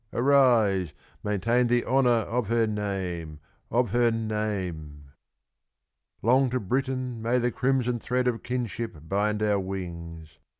arise! maintain the honour Of her name, of her name! Long to Britain may "the crimson Thread of kinship" bind our wings!